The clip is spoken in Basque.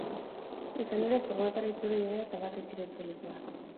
Izan ere, furgonetara itzuli dira, eta bat etxera itzuliko da.